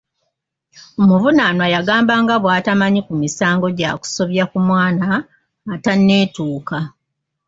Omuvunaanwa yagamba nga bw'atamanyi ku misango gya kusobya ku mwana atanneetuuka.